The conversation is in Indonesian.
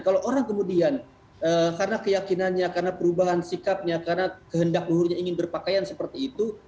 kalau orang kemudian karena keyakinannya karena perubahan sikapnya karena kehendak luhurnya ingin berpakaian seperti itu